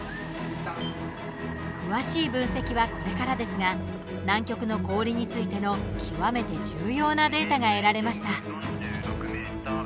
詳しい分析は、これからですが南極の氷についての極めて重要なデータが得られました。